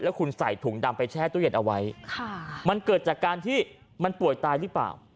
คุณใส่ถุงดำไปแช่ตู้เย็นเอาไว้ค่ะมันเกิดจากการที่มันป่วยตายหรือเปล่า